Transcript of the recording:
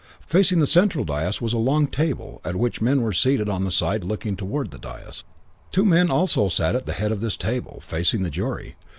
Facing the central dais was a long table at which men were seated on the side looking towards the dais. Two men sat also at the head of this table, facing the jury.